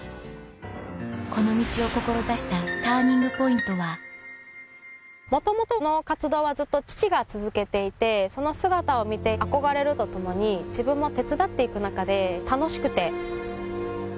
この道を志したＴＵＲＮＩＮＧＰＯＩＮＴは元々の活動はずっと父が続けていてその姿を見て憧れるとともに自分も手伝って行く中で楽しくて。